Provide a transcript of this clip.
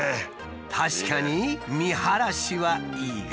確かに見晴らしはいいが。